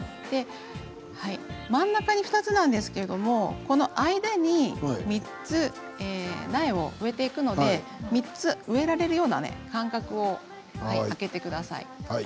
真ん中に２つなんですけれど間に３つの苗を植えていくので３つ植えられるような間隔を空けてください。